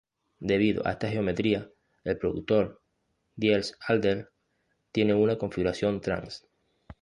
Debido a esta geometría, el producto Diels-Alder tiene una configuración "trans".